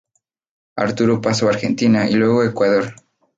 Arturo pasó a Argentina y luego a Ecuador.